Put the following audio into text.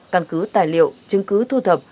căn cứ tài liệu chứng cứ thu thập